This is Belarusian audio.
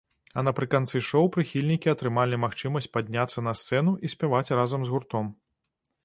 А напрыканцы шоў прыхільнікі атрымалі магчымасць падняцца на сцэну і спяваць разам з гуртом.